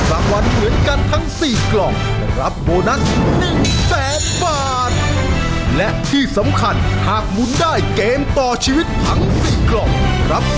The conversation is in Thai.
สามพฤติภาพที่ตกลงทำไว้นะครับ